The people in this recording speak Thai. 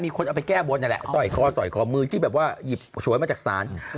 คนเอาไปแก้บนนั่นแหละสร้อยคอสอยคอมือที่แบบว่าหยิบฉวยมาจากศาล